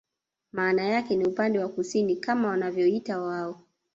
Maana yake ni upande wa kusini kama wanavyoita wao